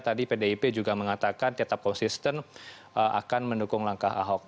tadi pdip juga mengatakan tetap konsisten akan mendukung langkah ahok